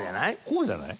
こうじゃない？